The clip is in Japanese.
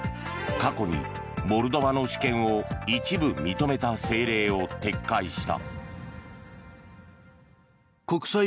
過去にモルドバの主権を一部認めた政令を撤回した。